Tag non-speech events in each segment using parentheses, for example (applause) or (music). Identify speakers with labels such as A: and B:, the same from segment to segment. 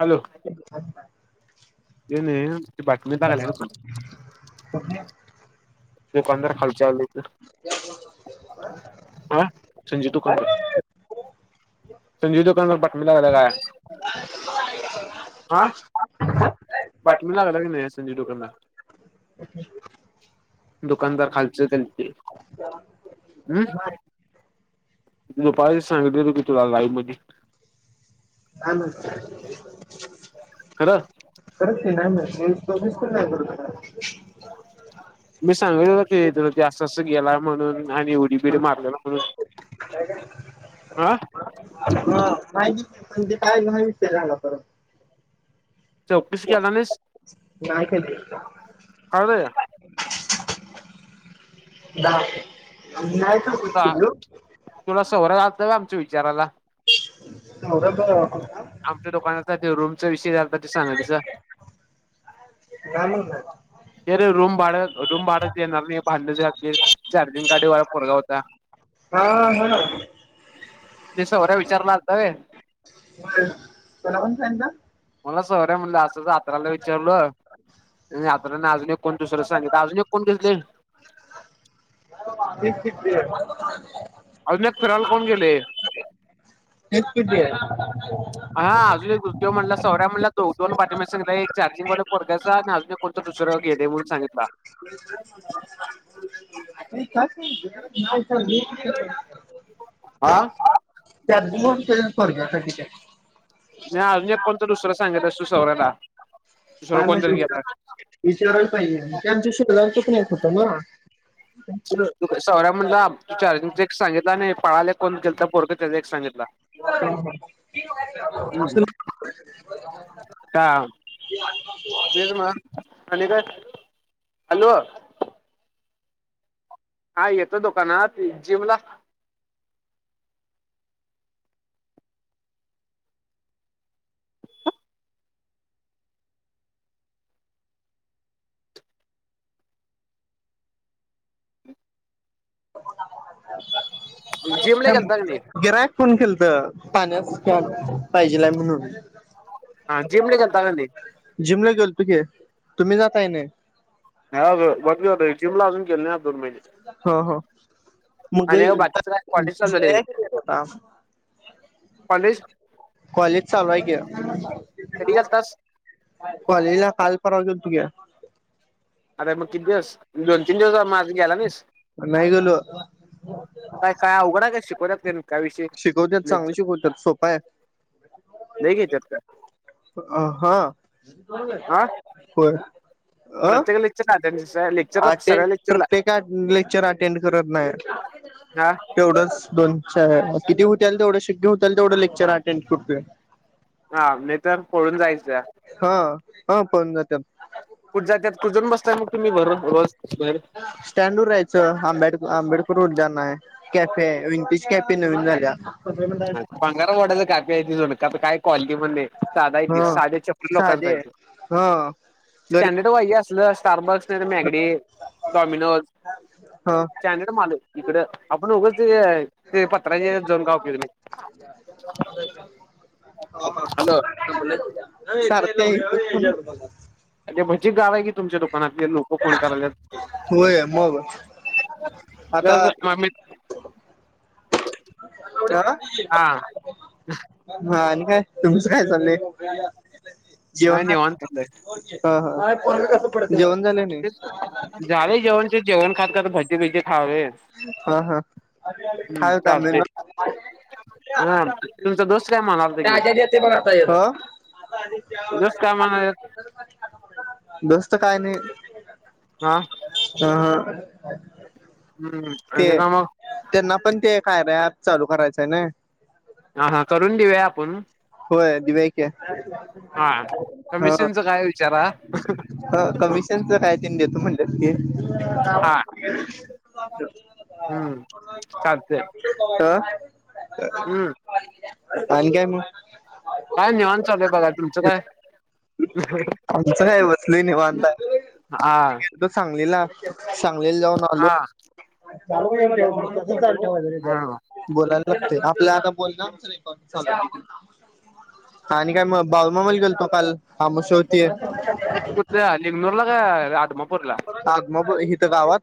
A: Hello
B: (inaudible)
A: ते नाही, बातमी चांगली हाय का बसून.
B: (inaudible)
A: दुकानदार खालचे आले तर-
B: त्या (inaudible)
A: हा संजी दुकान संजीव दुकान पटमलालाग आहे काय. पाठीमाग लागला काय नाही. (unintelligible) (inaudible) दुकानदार खालच ते हम्- नु पा सांगले होत की तुला लाई म्हणेे
B: हम
A: खरां
B: करत त नाही म वस त वीस तर नाही करू
A: मी सांगल होत क तु जास्त असं गेला म्हणून आणि उडी बिडी
B: काय
A: मारलेला म्हणून हा
B: हा माती म्हणजे काय नाहीित ते चांगा परत
A: चवकशी केला नाहीस
B: कायक
A: अग वय
B: दयत कुतो
A: तुला सोरां जातं का आमच्या विचाराला
B: मझ तो
A: आमच्या दुकानासाठी रूम विषय झालता ते सांगालचा
B: नाही म्हणला
A: अरे रूम भाडत रूम बाढत येणार नाही भांडच्या खातर चार्जिंग गाडी वा फोरगा होता
B: हा ह ना
A: दिस वऱ्या विचारलाताय
B: कोला पण फ ना
A: मला सोर्या म्हणलं असंत्राला विचारलं आ अजून एक को दुसऱला सांगितलं अजून एक कोण घेतले
B: श
A: अजूनक फिराल कोण गेले
B: हेेततीे
A: किं म्हणला सौऱ्याणला दो दोन बातम्या सगितत एक चार्जिंगवाले पोर्याचा आणि अजून एक कोणं दुसरं गेणून सांगितला
B: का
A: आा
B: त्या दोन स्वर्गासाठी त्या
A: नाहीी अजून एक कोणता दुसरा सांगितत असू सौरा्याला
B: काय नाही विचार विचाराला पाहिजे म्हणजे आम शेजारचच नाहीेत होत ना
A: सौरा्या म्हणला तुझ अज एक सांगितला आणि पळाले कोण गेल तर बोरक त्याचा एक सांगितला
B: हो ह
A: हम्म
B: ह
A: म आणि का हॅलो हा येतं दुकानात जिमला जिमला गेलता का नाही
B: गिराक कोण खेळत पाण्यास पाहिजे लाय म्हणून
A: हा जिमडीकंतगनी
B: जिमला गेल तुके तुम्ही जाताय नाही
A: मज वे जलाजून केलले दोनमनने
B: हा हा मगग
A: बाकीच काय कॉलेज चालू झालंय
B: होता
A: कॉलेज
B: कॉलेज चालवाय क
A: कधी गेलतास
B: कलेला कालरावाज तुे
A: अरे मग किती दिवस दोन तीन दिवस माझा गेला नाहीस
B: नाहीही गलो
A: काय काय अवघड आहे काय शिकवत्यात काय काय विषय
B: शिकवत चांगली शिकवत सोपाय ब
A: लई घेतात का?
B: अ हा
A: हा
B: होय अह
A: (unintelligible)
B: अटेंड
A: लेक्चरला
B: प्रत्येक लेक्चर अटेंड करत नाही
A: हा
B: तेवढंच दोन अच्छा किती होतीलल तेवढं शक्य होतीलल तेवढ क्चर अटेंड करतोय.
A: हा नाही तर पळून जायचं
B: हा हा पळुन जातात.
A: कुठ जात त्यात कुजून बसताय मग तुम्ही बर बर
B: स्टँडवर रहायचं आंबेड आंबेडकर उद्यान आहे. कॅफे आहे इंटिश कॅफे ते नवीन झाल्या.
A: भंगारा वडाचं कॅफे आहे ते सोड कॉलनीमध्ये साध आहे
B: ह
A: साधे छप्परी लोकांचा
B: साधे
A: आहे ते
B: ह
A: स्टँडर्ड
B: गरीब
A: पाहिजे असलं स्टारबक्स नाहीतर मॅगडी, डॉमिनोज
B: ह
A: स्टॅंडर्ड माल आहे इकड आपण उगच ते ते पत्रांच्या हेचात जाऊन काय उपयोग नाही.
B: हा हा (inaudible)
A: हॅलो
B: (unintelligible) (unintelligible) (unintelligible)
A: अ भजी गारय की तुमच्या दुकानातले लोक फोन कराल्यात.
B: होय मग आता
A: त्या म (unintelligible)
B: हा
A: हा
B: (unintelligible) हा आणि काय तुमचं काय चाललंय?
A: हा
B: जेवण
A: निवांत
B: झालं
A: चाललंय
B: काय? ह हा जेवण झालय?.
A: तेच झाले जेवण जेवण खात खात भजी बिजी खायलोय.
B: हा हा खाय कामदल
A: चालतंय
B: (unintelligible) (inaudible) (unintelligible)
A: हा तुमचा दोस्त काय म्हणालता की
B: हा
A: दोस्त काय म्हणाल्यात
B: बसतो काय नाही.
A: हां
B: हं हं
A: हम्म
B: ते
A: आणि का मग
B: त्यांना पण ते काय बाय अँप चालू करायचंय ना?
A: हां हां करून देऊया आपण
B: होय दिवूया (unintelligible) की
A: हा
B: ह
A: कमिशनचा काय विचारा
B: ह कमिशनच काय तनी देतो म्हणल्यात की
A: हा हम्म चालतंय
B: ह
A: हम्म
B: आणि काय मग
A: काय निवांत चालू आहे बघा तुमचं काय?
B: आमचं काय बसलोय निवांत
A: हा
B: त सांगलीला सांगलीला जाऊन आलो.
A: हा ह
B: बोलायला लागते आपला आता बोलणं रेकॉर्डिंग चालुय आणि काय मग बाळूमामा ला गेलतो काल अमावशा होती.
A: कुठ लिंगनूरला का अदमापूरला?
B: आग मग इथं गावात?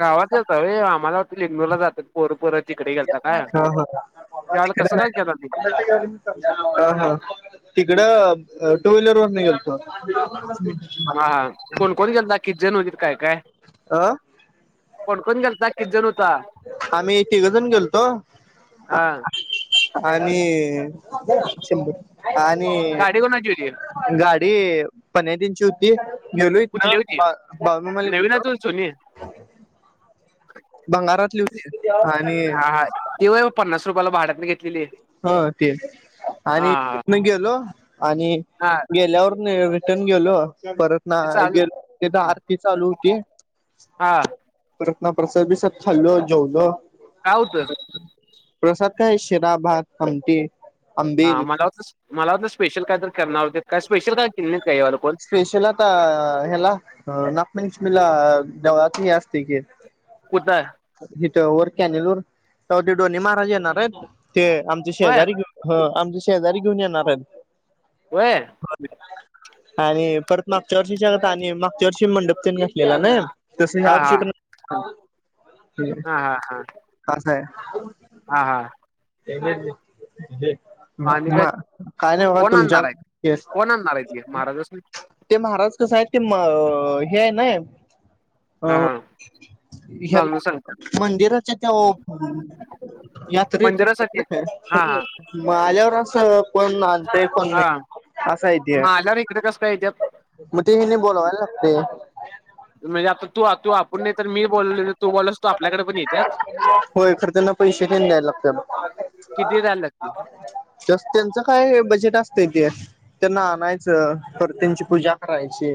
A: गावात गेलता होय आम्हाला वाटलं लिंगनुरला जाततत पोरपोर तिकडे गेलता काय
B: हा
A: त्याला कसं काय केला लल
B: ह ह तिकडं टू व्हीलरनं गेलतो.
A: हा हा कोणकोण गेलता किती जण वगैर काय काय
B: अ -
A: कोण कोण गेल
B: आम्ही तिघजन गेलतो
A: हा
B: (inaudible) आणि शंब आणि
A: गाडी कोणाची होती
B: गाडी पन दिनची (unintelligible) होती गेलो इथनं बा मलिक
A: तु जुनी
B: बभंगारातली होती आणि
A: तीवय पन्नास रुपयाला भाडतनं घेतली.
B: ह ती
A: हा
B: आणि
A: हा
B: तीतनं गेलो आणि
A: हा
B: गेल्यावर नं रिटर्न गेलो परत ना
A: ते चालू
B: गे तिथ आरती चालू होती.
A: हा
B: परत्न प्रसाद बीसाद खाल्लो जेवलो
A: काय होतय?
B: प्रसाद काय शिरा, भात, आमटी
A: हा
B: आंबील
A: मला वाटलं मला वाटलं ना स्पेशल काय तर करणार आते काय स्पेशल कायित का याला कोण
B: स्पेशल आता ह्याला नागपंचमी देवळात हे असतय की
A: कुठं
B: हिथ वर कॅनल वर ते डोन्नी महाराज येणार आहेत ते आमचे
A: होय
B: शेजारी घेऊ ह आमच्या शेजारी घेऊन येणार आहेत
A: कुह
B: आणि परत मागच्या वर्षी सांगत आणि मागच्या वर्ष मंडप तन घसलेला ना तस
A: हा
B: ह त
A: हा
B: प
A: हा हा हा
B: कास आहे
A: हा हा
B: ए काय
A: आणि काय
B: नाही म
A: कोण
B: तुमच्या
A: आणणार आहेत कोण आणणार आहेत ते महाराजासनी
B: ते महाराज कसं आहेत ते हे आहे ना
A: हा
B: हो
A: हा बांगडू सांगतात
B: मंदिराच्या त्या यात्र
A: मंदिरासाठी हा हा
B: माल्यावर असं कोण आणतय पण
A: हा
B: नाही असं आहेती
A: मग आल्यावर इकडे कसं काय येत्यात
B: मग तेही नाही बोलावायला लागते
A: म्हणजे आता तू तू आपण नाही तर मी बोलले तू बोलला
B: होय ए खर त्यांना पैसे देन द्यायला लागत म
A: किती दल लागली
B: त्यांचं काय बजेट असतंय ते त्यांना आणायचं पर त्यांची पूजा करायची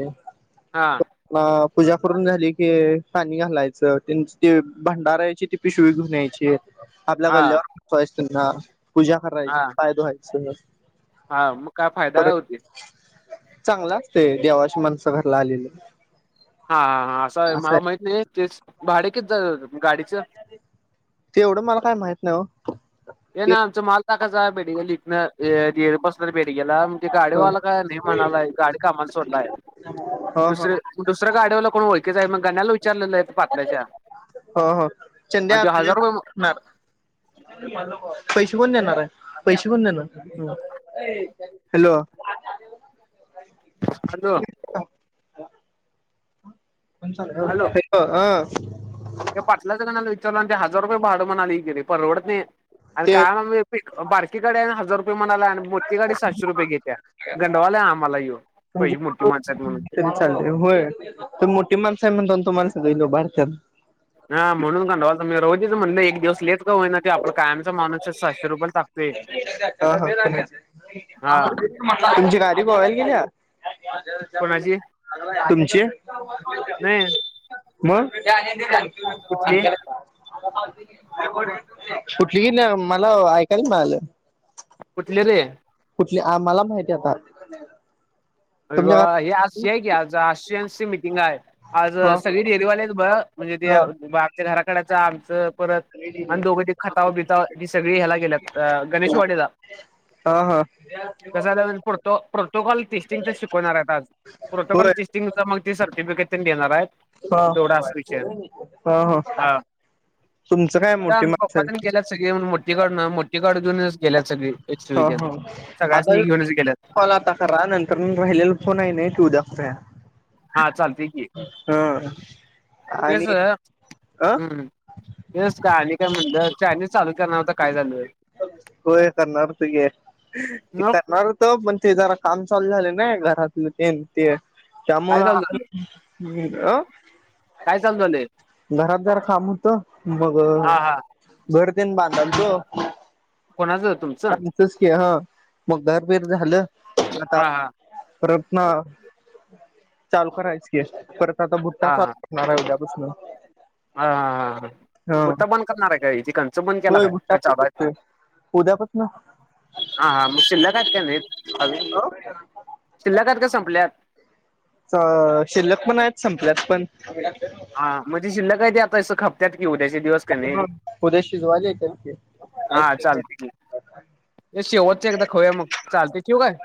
A: हां
B: अ पूजा करून झाली की पाणी घालायचं ते भंडारायची ते पिशवी घेनयची आपल्या
A: हा
B: गल्ल्यावरय त्यांना पूजा
A: हा
B: करायची पाय ववायचं
A: हा मग काय फायदाला होते
B: चांगलं असते देवाशी माणसं घराला आलेली
A: हा ह हा असं मला माहित नाही ते भाडे किती ज गाडीच
B: ते एवढं मला काय माहित नाही हो
A: हे ना आमचा माल टाकायचा बेडगला लििकणं बसला बेडग्याला
B: हो
A: गाडेवाला काय नाही म्हणालाय गाडी का आम्हाला सोडलाय
B: हो हो
A: दुसरे दुसऱ्या गाड्यावरला कोण ओळखच आहे मग गण्या्याला विचारलेलं आहे पाातल्या्याच्या
B: हो हो ंड्या आत पैसे कोण देणार आहे पैसे कोण देणार हॅलो
A: हॅलो
B: कोणल
A: ते पाटलंच कला विचारलं आणि ते हजार रुपये भाडं म्हणा आली गेली पण रवडत नाही आणि
B: ते
A: काय म बारकीकडे्या हजार रुपये म्हणाला मोती गाडी सातशे रुपये घेत्या गंडवाल्या आम्हाला येऊन
B: म्हणजे चाल होय त मोठी माणस आहे म्हण दोन तो माणस गेलो बारत्यान
A: ह म्हणून कंडवा मी रोजीच म्हणले एक दिवसले का होई ना ते आप कायमचा माणस सशे रुपयालाा
B: यच
A: हा
B: मान तुमची गाडी बोवायला गेली
A: कोणाची
B: तुमची
A: नाही
B: मग
A: कुठली
B: कुठली कि नाही मला ऐकायला म्हणालं
A: कुठले रे
B: कुठली मला माहिती आता तुमच्या
A: अर
B: घरात
A: हे आज की आज आशियान ची मीटिंग आहे आज
B: ह
A: सगळी डेरीवालेच बघ म्हणजे ते
B: ह
A: आगच्या घराकडच आमचं परत आणि दोघं त खताव बिताव ही सगळी ह्याला गेल्यात गणेशवाडेला
B: हा हा
A: कसा जाोो प्रोतो कॉल तस शिकवणार आहेत आज प्रोटोकॉल
B: होय
A: टेस्टिंग मग ते सर्टिफिकेट घेणार
B: ह
A: आहेत तेवढा विच
B: ह ह
A: हा
B: तुमचं काय
A: त्या
B: मोठी
A: आमच्या
B: माणसं
A: पप्पात ग
B: आहे
A: केलं सग मोठी गड ना मोठी गड घेऊनच गेल्यात सगळे एस
B: ह
A: विद्या
B: ह
A: सगळ्याच
B: आता
A: म घेऊनच गेल्यात
B: कॉल आता करा नंतर राहिलेला फोन आहे ना की उद्या फ्या
A: हा चालतंय
B: हो
A: तेस हम्म तेस गणी का म्हर नी चालू करणार होता काय झालं
B: होय तरनार
A: मग
B: त घना पण ते जरा काम चालू झाले ना घरातलं ते ते त्यामु
A: काय चालू झालं
B: ह् अ
A: काय चालू झालंय
B: घरात जरा काम होत मग
A: हा हा
B: घर तेन बांधाल त
A: कोणाचं हो तु
B: ांसस की हा मग घरबिर झालं आता
A: हा हा
B: परत ना चालू करायच की परत आता भुट्टा चालू नाय जा बस ना
A: ह ह गुद्ता बंद करणार आहे का इथिक च बंद केला
B: होय
A: काय
B: भुट्टा
A: काय
B: पण
A: चाबा
B: करतोय उद्यापासन
A: हा हा मग शिल्लकत काय नाही अजून शिल्लकत काय संपल्या
B: अ शिल्लक पण आहेत संपल्यात पण
A: हा म्हणजे शिल्ल काय ते आतायं ख त्यात कि उद्याचे दिवस का नाही
B: उद्या शिजवायला येत्यात की
A: हा चालते क शेवटचे एकदा खवया मग चालते शेव काय